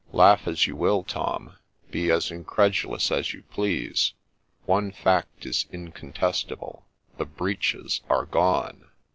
' Laugh as you will, Tom, — be as incredulous as you please. One fact is incontestable, — the breeches are gone